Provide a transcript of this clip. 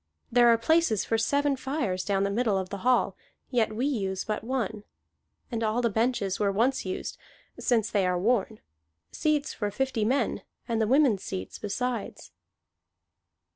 There are places for seven fires down the middle of the hall, yet we use but one. And all the benches were once used, since they are worn: seats for fifty men, and the women's seats besides."